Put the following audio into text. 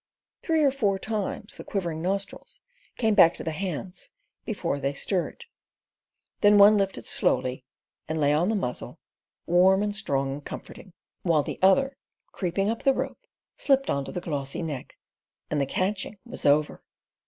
Three or four times the quivering nostrils came back to the hands before they stirred, then one lifted slowly and lay on the muzzle, warm and strong and comforting, while the other, creeping up the rope, slipped on to the glossy neck, and the catching was over.